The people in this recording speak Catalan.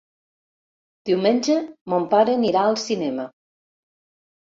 Diumenge mon pare anirà al cinema.